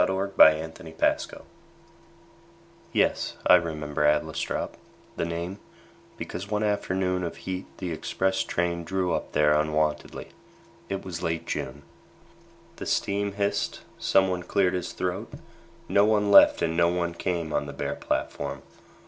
Edward Thomas Adlestrop YES, I remember Adlestrop The name because one afternoon Of heat the express train drew up there Unwontedly. It was late June. The steam hissed. Someone cleared his throat. No one left and no one came On the bare platform.